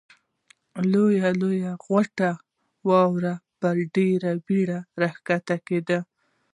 لویې لویې غټې واورې په ډېره بېړه را کښته کېدلې.